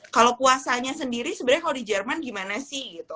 kalau puasanya sendiri sebenarnya kalau di jerman gimana sih gitu